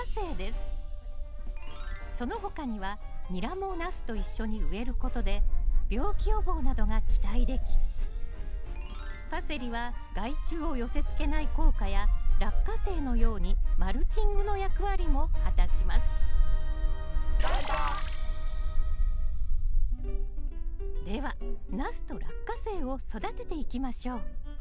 その他にはニラもナスと一緒に植えることで病気予防などが期待できパセリは害虫を寄せつけない効果やラッカセイのようにマルチングの役割も果たしますではナスとラッカセイを育てていきましょう。